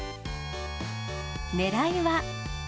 ねらいは。